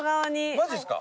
マジっすか？